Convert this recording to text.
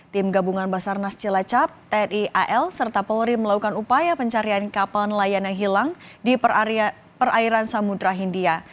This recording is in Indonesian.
tim gabungan basarnas cilacap tni al serta polri melakukan upaya pencarian kapal nelayan yang hilang di perairan samudera hindia